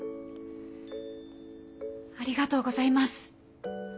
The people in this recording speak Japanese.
ありがとうございます。